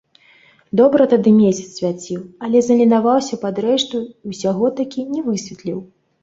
Добра тады месяц свяціў, але заленаваўся пад рэшту і ўсяго такі не высветліў.